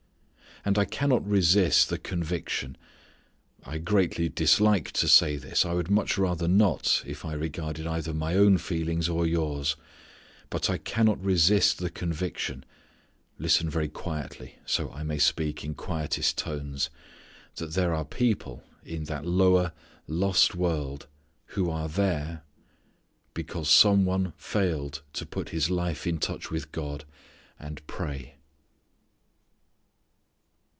And I cannot resist the conviction I greatly dislike to say this, I would much rather not if I regarded either my own feelings or yours. But I cannot resist the conviction listen very quietly, so I may speak in quietest tones that there are people ... in that lower, lost world ... who are there ... because some one failed to put his life in touch with God, and pray.